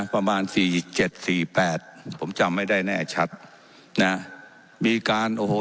ประมาณสี่เจ็ดสี่แปดผมจำไม่ได้แน่ชัดนะมีการโอ้โห